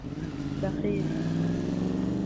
بخيل